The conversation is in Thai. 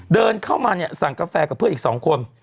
เดินเข้ามาเนี่ยสั่งกาแฟกับเพื่อนอีก๒คน